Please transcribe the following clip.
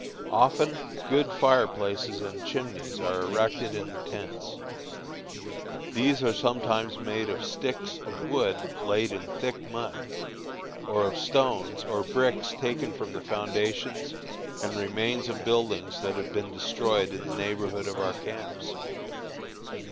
Often good fire places and chimneys are erected in the tents. These are sometimes made of sticks of wood laid in thick mud, or of stones or bricks taken from the foundations and remains of buildings that have been destroyed in the neighborhood of our camps.